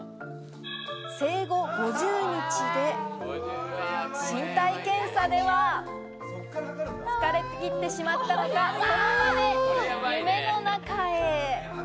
生後５０日後、身体検査では疲れ切ってしまったのか、その場で夢の中へ。